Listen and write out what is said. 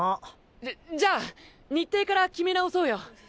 じゃじゃあ日程から決め直そうよ。